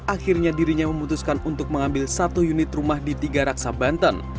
akhirnya dirinya memutuskan untuk mengambil satu unit rumah di tiga raksa banten